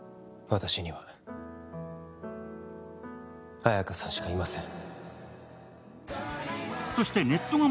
私には綾華さんしかいません。